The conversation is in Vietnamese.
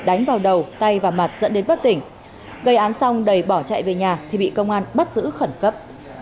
đánh vào đầu tay và mặt dẫn đến bất tỉnh gây án xong đầy bỏ chạy về nhà thì bị công an bắt giữ khẩn cấp